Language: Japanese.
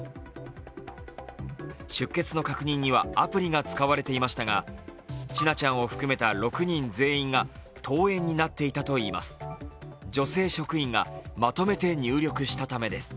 出欠の確認には、アプリが使われていましたが、千奈ちゃんを含めた６人全員が登園になっていたといいます。